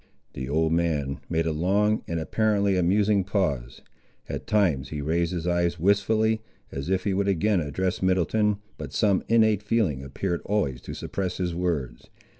The old man made a long, and apparently a musing pause. At times he raised his eyes wistfully, as if he would again address Middleton, but some innate feeling appeared always to suppress his words.